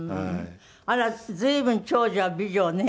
あら随分長女は美女ね。